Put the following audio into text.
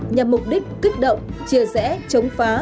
nhằm mục đích kích động chia rẽ chống phá